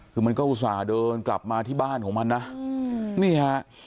คือมันก็อุตส่าห์เดินกลับมาที่บ้านของมันนะนี่ฮะ